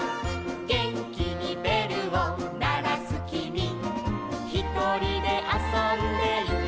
「げんきにべるをならすきみ」「ひとりであそんでいたぼくは」